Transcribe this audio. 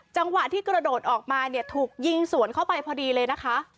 จังหวะที่กระโดดออกมาเนี่ยถูกยิงสวนเข้าไปพอดีเลยนะคะ